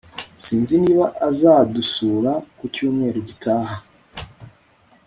Sinzi niba azadusura ku cyumweru gitaha